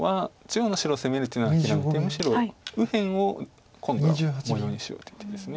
中央の白を攻めるっていうのは諦めてむしろ右辺を今度は模様にしようという手です。